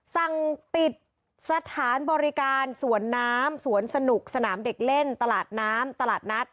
สั่งปิดสถานบริการสวนน้ำสวนสนุกสนามเด็กเล่นตลาดน้ำตลาดนัด